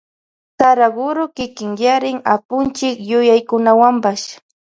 Saraguro kikinyarin Apunchik yuyaykunawanpash.